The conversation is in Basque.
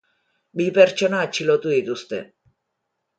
Bi pertsona atxilotu dituzte.